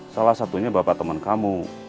salah satunya bapak teman kamu